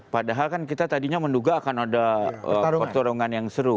padahal kan kita tadinya menduga akan ada pertolongan yang seru